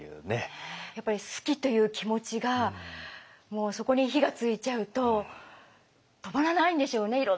やっぱり好きという気持ちがもうそこに火がついちゃうと止まらないんでしょうね。